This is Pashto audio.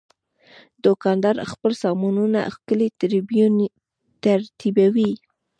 دوکاندار خپل سامانونه ښکلي ترتیبوي.